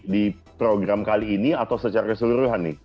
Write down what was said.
di program kali ini atau secara keseluruhan nih